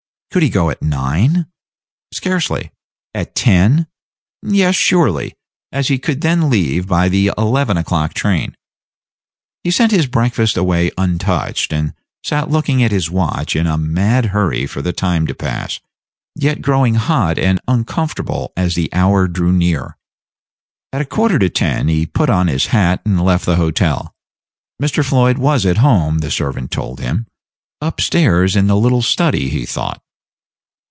Could he go at nine? Scarcely. At ten? Yes, surely, as he could then leave by the eleven o'clock train. He sent his breakfast away untouched, and sat looking at his watch in a mad hurry for the time to pass, yet growing hot and uncomfortable as the hour drew near. At a quarter to ten he put on his hat and left the hotel. Mr. Floyd was at home, the servant told him up stairs in the little study, he thought.